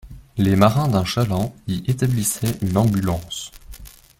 Les marins d'un chaland y établissaient une ambulance.